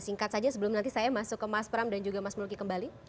singkat saja sebelum nanti saya masuk ke mas pram dan juga mas mulki kembali